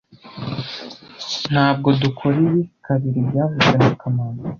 Ntabwo dukora ibi kabiri byavuzwe na kamanzi